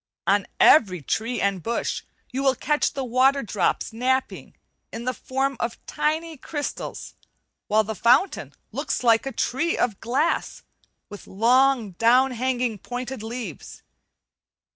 On every tree and bush you will catch the water drops napping, in the form of tiny crystals; while the fountain looks like a tree of glass with long down hanging pointed leaves.